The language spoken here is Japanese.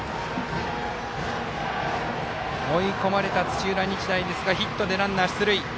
追い込まれた土浦日大ですがヒットでランナー出塁。